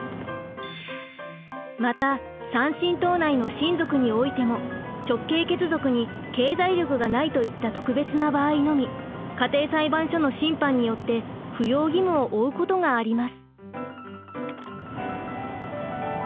また３親等内の親族においても直系血族に経済力がないといった特別な場合のみ家庭裁判所の審判によって扶養義務を負うことがあります。